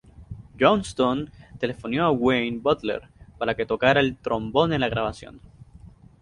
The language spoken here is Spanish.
Johnston telefoneó a Wayne Butler para que tocara el trombón en la grabación.